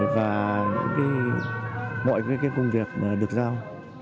và mọi cái công việc mà được giao